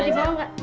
mau dibawa gak